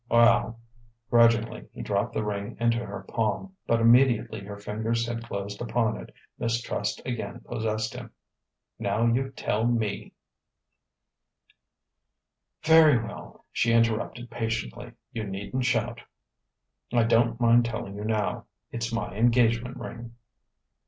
"Well...." Grudgingly he dropped the ring into her palm. But immediately her fingers had closed upon it, mistrust again possessed him. "Now, you tell me " "Very well," she interrupted patiently. "You needn't shout. I don't mind telling you now. It's my engagement ring."